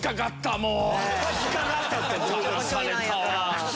もう。